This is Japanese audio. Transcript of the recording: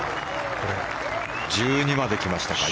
１２まで来ましたか。